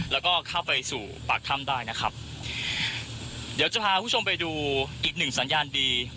แล้วก็เข้าไปสู่ปากถ้ำได้นะครับเดี๋ยวจะพาคุณผู้ชมไปดูอีกหนึ่งสัญญาณดี